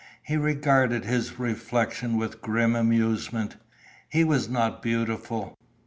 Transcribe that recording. He regarded his reflection with grim amusement. He was not beautiful.